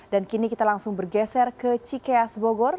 dan kini kita langsung bergeser ke cikeas bogor